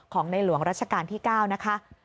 ในหลวงรัชกาลที่๙นะคะ